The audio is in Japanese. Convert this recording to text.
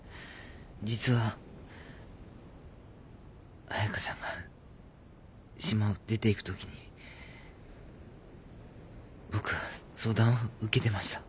実は彩佳さんが島を出ていくときに僕は相談を受けてました。